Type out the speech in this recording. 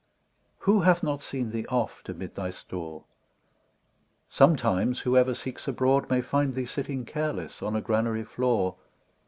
Who hath not seen thee oft amid thy store ? Sometimes whoever seeks abroad may find Thee sitting careless on a granary floor.